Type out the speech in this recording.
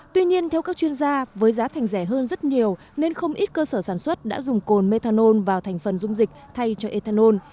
tuy nhiên theo các chuyên gia với giá thành rẻ hơn rất nhiều nên không ít cơ sở sản xuất đã dùng cồn methanol vào thành phần dung dịch thay cho ethanol